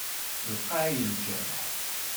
Lqay lǧerḥ.